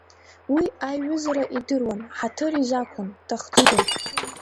Уи аиҩызара идыруан, ҳаҭыр изақәын, дахӡыӡон.